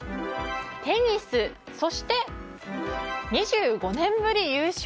テニス、そして２５年ぶり優勝。